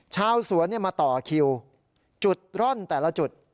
ชาวสวนมาต่อคิวจุดร่อนแต่ละจุด